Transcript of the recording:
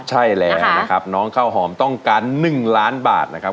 ใช่แล้วนะครับน้องข้าวหอมต้องการ๑ล้านบาทนะครับ